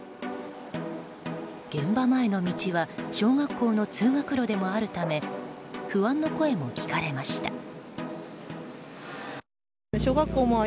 現場前の道は小学校の通学路でもあるため不安の声も聞かれました。